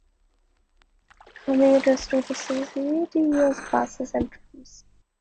Commuters to the city use buses and trams.